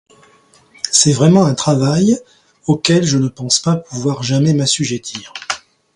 C'est vraiment un travail, auquel je ne pense pas pouvoir jamais m'assujettir.